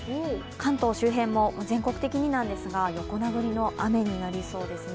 関東周辺も、全国的にもですが、横殴りの雨になりそうですね。